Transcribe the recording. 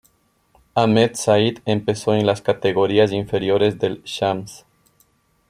Ahmed Said empezó en las categorías inferiores del El Shams.